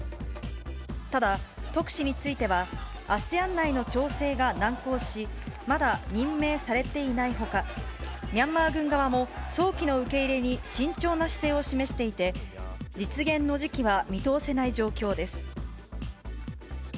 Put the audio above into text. ただ、特使については、アセアン内の調整が難航し、まだ任命されていないほか、ミャンマー軍側も早期の受け入れに慎重な姿勢を示していて、実現の時期は見通せない状況です。